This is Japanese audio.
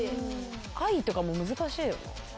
「愛」とかも難しいよね。